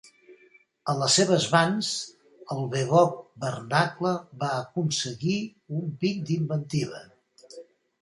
A les seves mans, el bebop vernacle va aconseguir un pic d'inventiva.